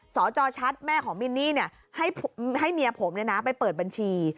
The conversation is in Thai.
สจชัดแม่ของมินนี่เนี่ยให้เมียผมเนี่ยนะไปเปิดบัญชี